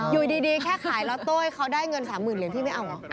อยู่ดีแค่ขายล็อตโต้ให้เขาได้เงิน๓๐๐๐เหรียญพี่ไม่เอาเหรอ